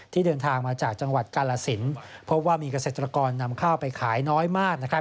เดินทางมาจากจังหวัดกาลสินพบว่ามีเกษตรกรนำข้าวไปขายน้อยมากนะครับ